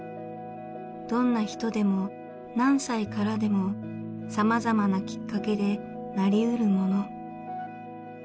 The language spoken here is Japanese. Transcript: どんな人でも何歳からでもさまざまなきっかけでなり得るもの。